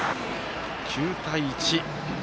９対１。